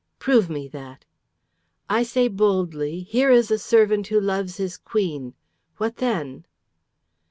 "Prove me that!" "I say boldly, 'Here is a servant who loves his Queen!' What then?"